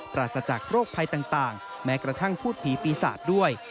ปราศจากโรคภัยต่างแม้กระทั่งพูดผีปีศาจด้วย